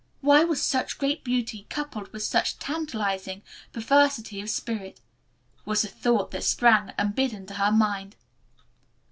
Why was such great beauty coupled with such tantalizing perversity of spirit? was the thought that sprang unbidden to her mind.